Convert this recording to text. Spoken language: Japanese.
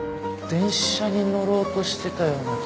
電車に乗ろうとしてたような気が